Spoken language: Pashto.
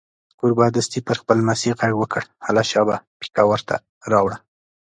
کوربه دستي پر خپل لمسي غږ وکړ: هله شابه پیکه ور ته راوړه.